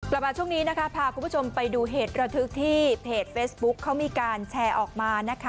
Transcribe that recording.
กลับมาช่วงนี้นะคะพาคุณผู้ชมไปดูเหตุระทึกที่เพจเฟซบุ๊คเขามีการแชร์ออกมานะคะ